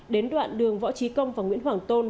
đến đoạn đường võ trí công và nguyễn hoàng tôn